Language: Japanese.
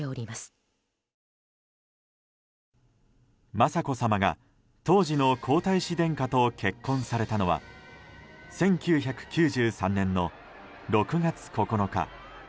雅子さまが当時の皇太子殿下と結婚されたのは１９９３年の６月９日。